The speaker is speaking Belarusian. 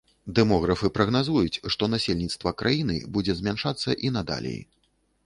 Дэмографы прагназуюць, што насельніцтва краіны будзе змяншацца і надалей.